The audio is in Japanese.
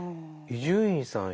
伊集院さん